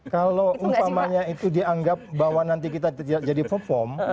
kalau umpamanya itu dianggap bahwa nanti kita tidak jadi perform